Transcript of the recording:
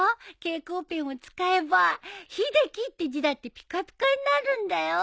蛍光ペンを使えば秀樹って字だってピカピカになるんだよ。